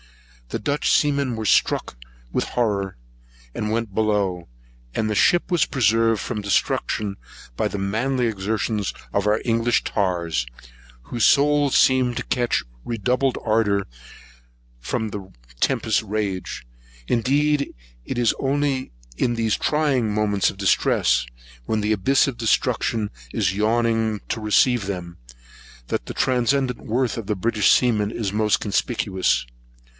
The Dutch seamen were struck with horror, and went below; and the ship was preserved from destruction by the manly exertion of our English tars, whose souls seemed to catch redoubled ardour from the tempest's rage. Indeed it is only in these trying moments of distress, when the abyss of destruction is yawning to receive them, that the transcendent worth of a British seaman is most conspicuous.